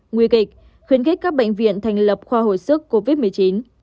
nguy kịch khuyến khích các bệnh viện thành lập khoa hồi sức covid một mươi chín